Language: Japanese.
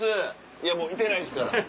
いやいてないですから。